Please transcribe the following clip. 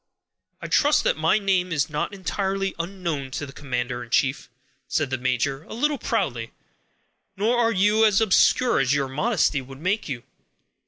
"I trust that my name is not entirely unknown to the commander in chief," said the major, a little proudly; "nor are you as obscure as your modesty would make you.